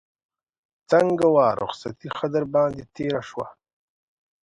څنګه وه رخصتي ښه در باندې تېره شوه.